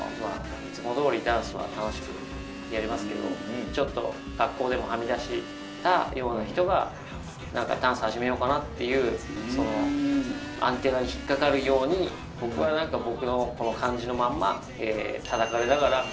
いつもどおりダンスは楽しくやりますけどちょっと学校でもはみ出したような人がダンス始めようかなっていうアンテナに引っ掛かるように僕は僕の感じのまんま。